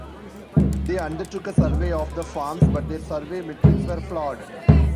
They undertook a survey of the farms, but their survey metrics were flawed.